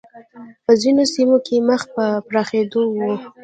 په ځینو سیمو کې مخ په پراخېدو و